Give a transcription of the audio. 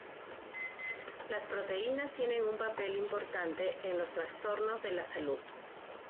Las proteínas tienen un papel importante en los trastornos de la salud.